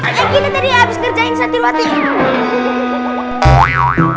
eh kita tadi habis kerjain santir wati